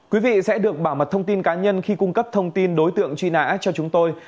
quý vị sẽ được bảo mật thông tin cá nhân khi cung cấp thông tin đối tượng truy nã cho chúng tôi